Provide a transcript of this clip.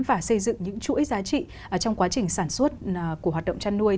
và xây dựng những chuỗi giá trị trong quá trình sản xuất của hoạt động chăn nuôi